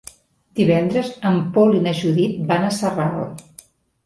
Divendres en Pol i na Judit van a Sarral.